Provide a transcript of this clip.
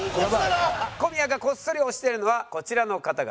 小宮がこっそり推してるのはこちらの方々。